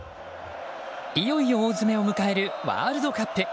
いよいよ大詰めを迎えるワールドカップ。